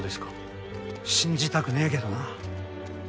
信じたくねえけどな。